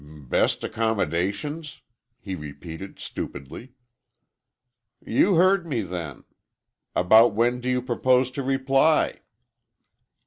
"Best accommodations?" he repeated stupidly. "You heard me, then! About when do you propose to reply?"